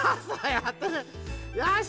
よし！